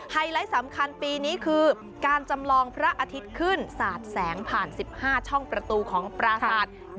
ไลท์สำคัญปีนี้คือการจำลองพระอาทิตย์ขึ้นสาดแสงผ่าน๑๕ช่องประตูของปราศาสตร์